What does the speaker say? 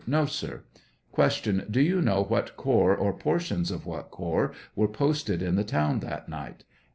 No, sir. Q. Do you know what corps, or portions of what corps, were posted in the town that night?